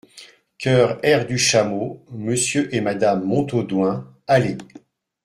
Chœur Air du Chameau Monsieur et Madame Montaudoin Allez !